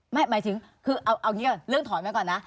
หมายถึงคือเอางี้ก่อนเรื่องถอนไว้ก่อนนะ